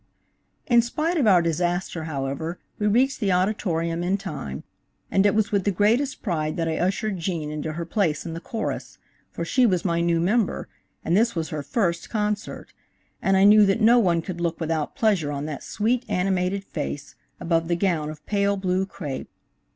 In spite of our disaster, however, we reached the Auditorium in time, and it was with the greatest pride that I ushered Gene into her place in the chorus, for she was my new member, and this was her first concert, and I knew that no one could look without pleasure on that sweet, animated face, above the gown of pale blue crêpe.